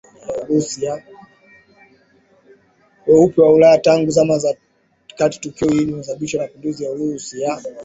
weupe wa Ulaya tangu zama za katiTukio hili lilisababisha mapinduzi ya Urusi ya